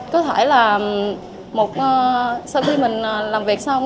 có thể là sau khi mình làm việc xong